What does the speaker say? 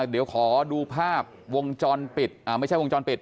เดี๋ยวขอดูภาพวงจรปิดไม่ใช่วงจรปิด